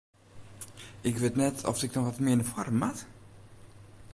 Ik wit net oft it noch wat mear nei foaren moat?